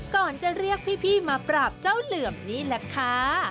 ก่อนจะเรียกพี่มาปราบเจ้าเหลื่อมนี่แหละค่ะ